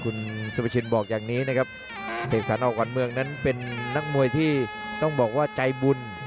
คุณสุภาชินบอกอย่างนี้นะครับเสกสรรอขวัญเมืองนั้นเป็นนักมวยที่ต้องบอกว่าใจบุญ